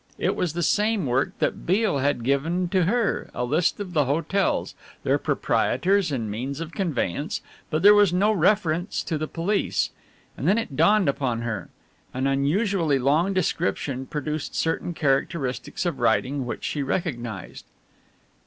It was the same work that Beale had given to her, a list of the hotels, their proprietors and means of conveyance, but there was no reference to the police. And then it dawned upon her. An unusually long description produced certain characteristics of writing which she recognized.